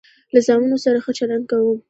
له زامنو سره ښه چلند کوم.